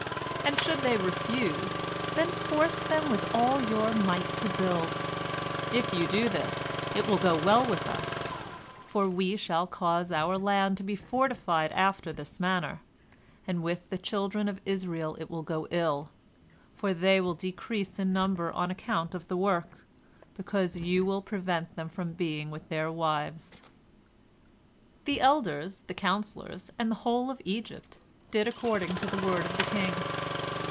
And should they refuse, then force them with all your might to build. If you do this, it will go well with us, for we shall cause our land to be fortified after this manner, and with the children of Israel it will go ill, for they will decrease in number on account of the work, because you will prevent them from being with their wives." The elders, the counsellors, and the whole of Egypt did according to the word of the king.